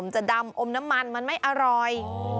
จะดำอมน้ำมันมันไม่อร่อย